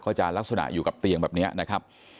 จะลักษณะอยู่กับเตียงแบบนี้นะครับ